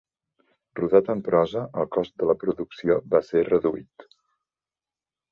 Rodat en prosa, el cost de la producció va ser reduït.